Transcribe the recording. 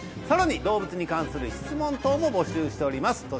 さらに動物に関する質問等も募集しております